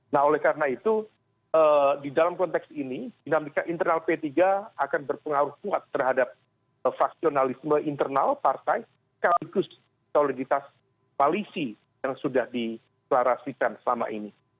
nah oleh karena itu di dalam konteks ini dinamika internal p tiga akan berpengaruh kuat terhadap faksionalisme internal partai sekaligus soliditas koalisi yang sudah diklarasikan selama ini